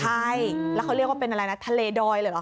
ใช่แล้วเขาเรียกว่าเป็นอะไรนะทะเลดอยเลยเหรอ